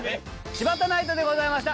柴田ナイトでございました。